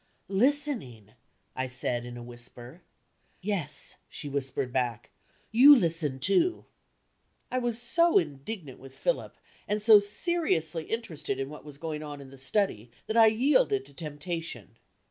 "Listening!" I said, in a whisper. "Yes," she whispered back. "You listen, too!" I was so indignant with Philip, and so seriously interested in what was going on in the study, that I yielded to temptation.